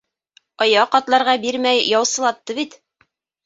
Аяҡ атларға бирмәй яусылатты бит.